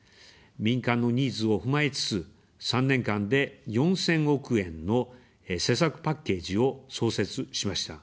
民間のニーズを踏まえつつ、３年間で４０００億円の施策パッケージを創設しました。